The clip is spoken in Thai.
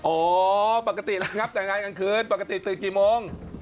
โอ้ปกติแล้วครับแต่งงานกลางคืนปกติตื่นกี่โมง